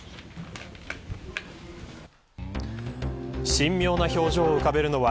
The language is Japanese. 神妙な表情を浮かべるのは